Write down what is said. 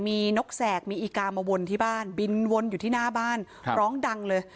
มีนกแสกมีอีกามาวนที่บ้านบินวนอยู่ที่หน้าบ้านร้องดังเลย